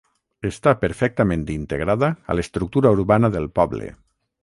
Està perfectament integrada a l'estructura urbana del poble.